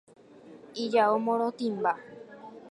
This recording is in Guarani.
Ijao morotĩmba.